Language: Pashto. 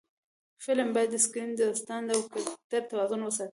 فلم باید د سکرېن، داستان او کرکټر توازن وساتي